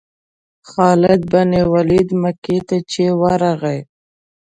خالد بن ولید مکې ته چې ورغی.